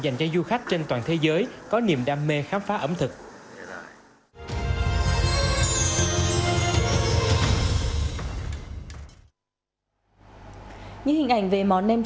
dành cho du khách trên toàn thế giới có niềm đam mê khám phá ẩm thực